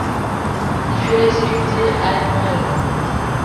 Ils furent exécutés à İmralı.